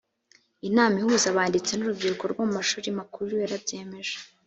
inama ihuza abanditsi n urubyiruko rwo mu mashuri makuru yarabyemeje